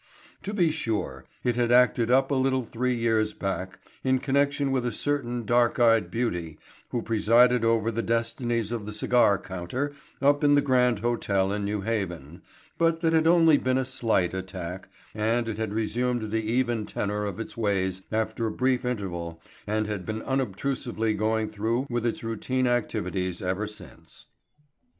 To be sure it had acted up a little three years back in connection with a certain dark eyed beauty who presided over the destinies of the cigar counter up in the Grand Hotel in New Haven, but that had only been a slight attack and it had resumed the even tenor of its ways after a brief interval and had been unobtrusively going through with its routine activities ever since.